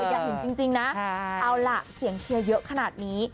อยากเห็นจริงนะเอาล่ะเสียงเชียร์เยอะขนาดนี้